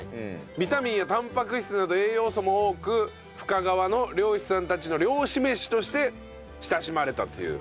ビタミンやタンパク質など栄養素も多く深川の漁師さんたちの漁師飯として親しまれたという。